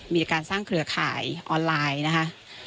มีการสร้างเครือข่ายออนไลน์นะคะ